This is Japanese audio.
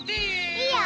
いいよ。